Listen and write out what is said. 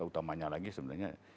utamanya lagi sebenarnya